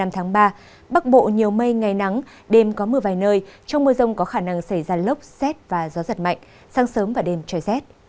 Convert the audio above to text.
tháng ba bắc bộ nhiều mây ngày nắng đêm có mưa vài nơi trong mưa rông có khả năng xảy ra lốc xét và gió giật mạnh sang sớm và đêm trời xét